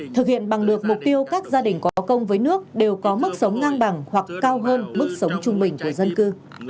thực hiện bằng được mục tiêu các gia đình có công với nước đều có mức sống ngang bằng hoặc cao hơn mức sống trung bình của dân cư